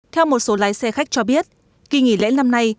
theo một số lái xe khách cho biết kỳ nghỉ lễ năm nay